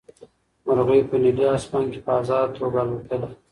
مرغۍ په نیلي اسمان کې په ازاده توګه الوتلې.